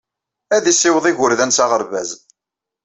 Ad yessiweḍ igerdan s aɣerbaz.